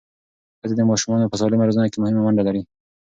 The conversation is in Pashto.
ښځې د ماشومانو په سالمه روزنه کې مهمه ونډه لري.